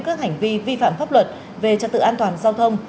các hành vi vi phạm pháp luật về trật tự an toàn giao thông